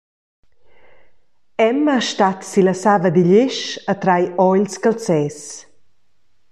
Emma stat sin la sava digl esch e trai ora ils calzers.